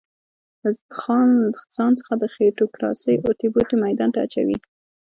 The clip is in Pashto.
له ځان څخه د خېټوکراسۍ اوتې بوتې ميدان ته اچوي.